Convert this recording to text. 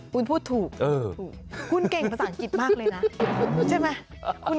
คุณเก่งภาษาอังกฤษมากเลยนะใช่ไหม